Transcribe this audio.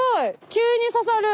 急にささる。